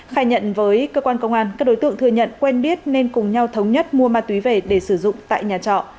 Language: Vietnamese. khai nhận với cơ quan công an các đối tượng thừa nhận quen biết nên cùng nhau thống nhất mua ma túy về để sử dụng tại nhà trọ